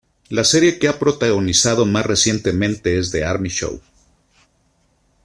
La serie que ha protagonizado más recientemente es "The Army Show".